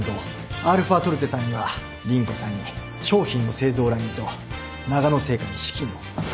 αトルテさんには凛子さんに商品の製造ラインとながの製菓に資金を。